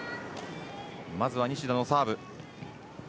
まずは西田のサーブ。